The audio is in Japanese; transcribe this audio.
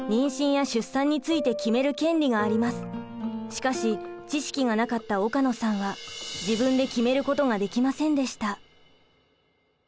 しかし知識がなかった岡野さんは自分で決めることができませんでした。